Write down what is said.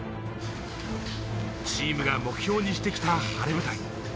チームが目標にしてきた晴れ舞台。